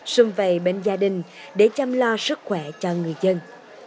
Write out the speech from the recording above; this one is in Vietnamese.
xung vầy bên gia đình để chăm lo sức khỏe cho người dân